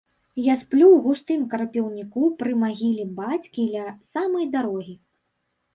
Я сплю ў густым крапіўніку пры магіле бацькі ля самай дарогі.